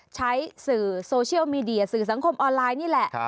ใช้สื่อโซเชียลมีเดียสื่อสังคมออนไลน์นี่แหละ